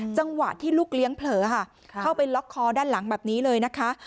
จังหวะที่ลูกเลี้ยงเผลอค่ะเข้าไปล็อกคอด้านหลังแบบนี้เลยนะคะ